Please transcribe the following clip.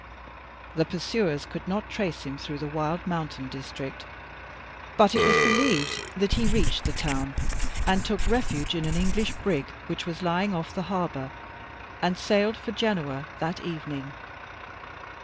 The pursuers could not trace him through the wild mountain district, but it was believed that he reached the town and took refuge in an English brig, which was lying off the harbour, and sailed for Genoa that evening.